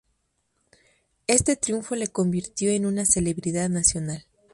Este triunfo le convirtió en una celebridad nacional.